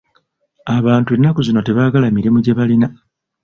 Abantu ennaku zino tebaagala mirimu gye balina.